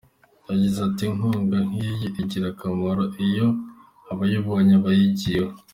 Yagize ati “Inkunga nk’ iyi igira akamaro iyo abayibonye bayigiyeho.